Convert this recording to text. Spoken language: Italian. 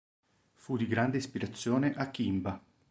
Fu di grande ispirazione a Kimba.